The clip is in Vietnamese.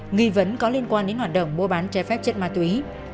nghi vấn có liên quan đến hoạt động mua bán trái phép chất ma túy